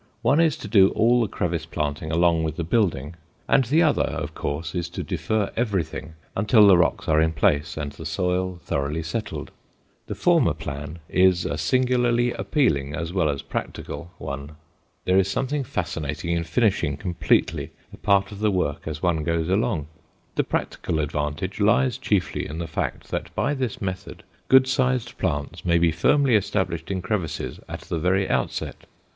One is to do all the crevice planting along with the building, and the other, of course, is to defer everything until the rocks are in place and the soil thoroughly settled. The former plan is a singularly appealing, as well as practical, one. There is something fascinating in finishing completely a part of the work as one goes along. The practical advantage lies chiefly in the fact that by this method good sized plants may be firmly established in crevices at the very outset.